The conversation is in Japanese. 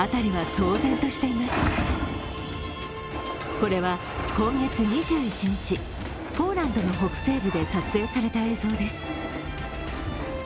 これは今月２１日、ポーランドの北西部で撮影された映像です。